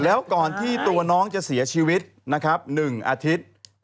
แล้วก่อนที่ตัวน้องจะเสียชีวิต๑อาทิตย์